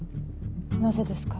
なぜですか？